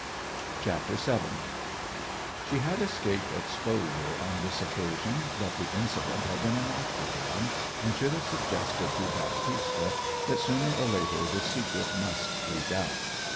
CHAPTER VII She had escaped exposure on this occasion; but the incident had been an awkward one, and should have suggested to Baptista that sooner or later the secret must leak out.